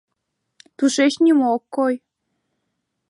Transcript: Тушеч нимо ок кой.